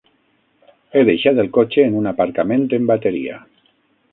He deixat el cotxe en un aparcament en bateria.